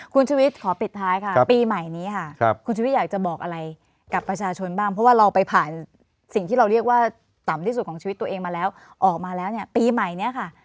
คุณชุวิตขอปิดท้ายค่ะปีใหม่นี้ค่ะคุณชุวิตอยากจะบอกอะไรกับประชาชนบ้างเพราะว่าเราไปผ่านสิ่งที่เราเรียกว่าต่ำที่สุดของชีวิตตัวเองมาแล้วออกมาแล้วเนี่ยปีใหม่เนี่ยค่ะ